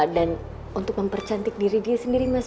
dan untuk mempercantik diri dia sendiri mas